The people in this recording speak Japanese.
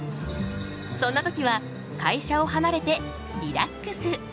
そんなときは会社をはなれてリラックス。